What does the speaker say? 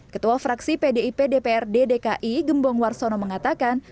ketua fraksi pdip dprd dki gembong warsono mengatakan